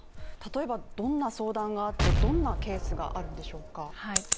例えばどんな相談があって、どんなケースがあるんでしょうか？